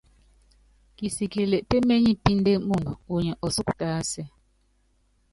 Kisikili peményipíndé muundɔ, unyi ɔsúku tásɛ.